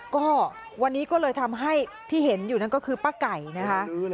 ก็วันนี้ก็เลยทำให้ที่เห็นอยู่นั่นก็คือป้าไก่นะคะ